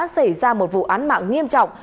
xảy ra một vụ án mạng nghiêm trọng